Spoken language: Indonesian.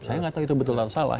saya gak tahu itu betul atau salah